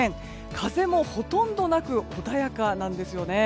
風もほとんどなく穏やかなんですよね。